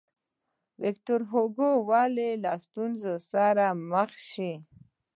ویکتور هوګو ولې له ستونزو سره مخامخ شو.